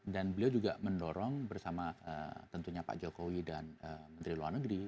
dan beliau juga mendorong bersama tentunya pak jokowi dan menteri luar negeri